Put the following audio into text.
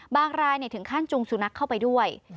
รายถึงขั้นจุงสุนัขเข้าไปด้วย